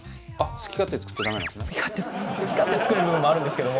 好き勝手好き勝手作る部分もあるんですけども。